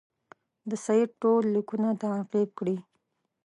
د سید ټول لیکونه تعقیب کړي.